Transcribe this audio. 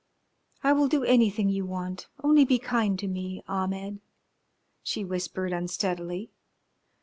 I will do anything you want, only be kind to me, Ahmed," she whispered unsteadily.